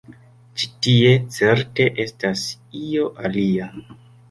Ĉi tie, certe, estas io alia.